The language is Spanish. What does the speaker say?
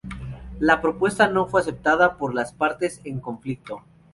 La propuesta no fue aceptada por las partes en conflicto.